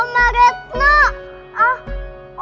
ke rumahnya om retno